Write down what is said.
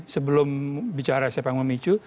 sebelum bicara siapa yang memicu